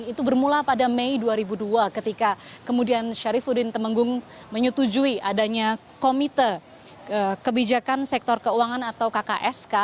itu bermula pada mei dua ribu dua ketika kemudian syarifuddin temenggung menyetujui adanya komite kebijakan sektor keuangan atau kksk